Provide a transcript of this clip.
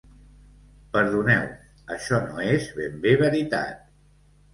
Perdoneu: això no és ben bé veritat.